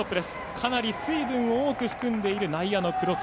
かなり水分を多く含んでいる内野の黒土。